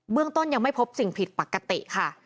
ต้นยังไม่พบสิ่งผิดปกติค่ะ